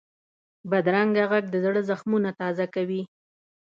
بدرنګه غږ د زړه زخمونه تازه کوي